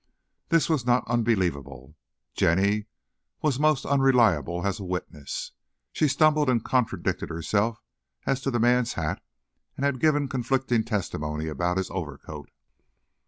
This was not unbelievable. Jenny was most unreliable as a witness. She stumbled and contradicted herself as to the man's hat and had given conflicting testimony about his overcoat.